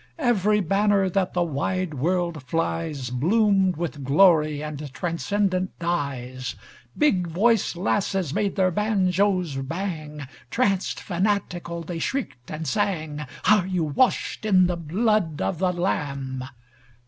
Every banner that the wide world fliesBloomed with glory and transcendent dyes. Big voiced lasses made their banjos bang, Tranced, fanatical, they shrieked and sang:—"Are you washed in the blood of the Lamb?"